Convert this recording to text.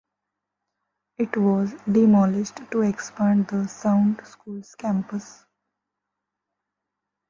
It was demolished to expand the Sound School's campus.